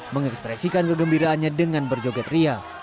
mengekspresikan kegembiraannya dengan berjoget ria